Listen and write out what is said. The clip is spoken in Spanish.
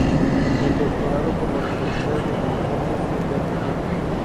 Y el doctorado por la Universidad de California en Berkeley.